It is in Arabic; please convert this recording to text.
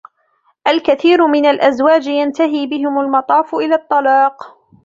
الكثير من الأزواج ينتهي بهم المطاف إلى الطلاق.